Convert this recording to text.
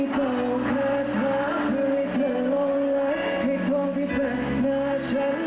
เพื่อให้เธอลองรักให้ทองที่เป็นหน้าฉัน